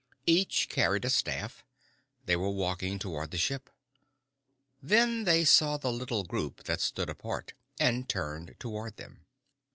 Each carried a staff. They were walking toward the ship. Then they saw the little group that stood apart and turned toward them.